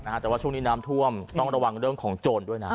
แต่ว่าช่วงนี้น้ำท่วมต้องระวังเรื่องของโจรด้วยนะ